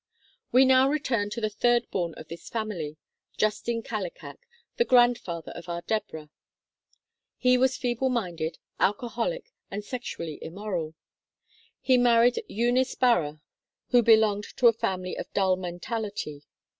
We now return to the third born of this family, Jus tin Kallikak, the grandfather of our Deborah (Chart IX, section E). He was feeble minded, alcoholic, and sexually immoral. He married Eunice Barrah, who be longed to a family of dull mentality.